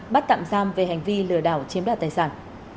bắt tạm giam về hành vi lừa đảo chiếm đoạt tài sản